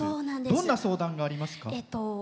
どんな相談がありますか？